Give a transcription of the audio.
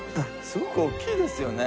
すごく大きいですよね。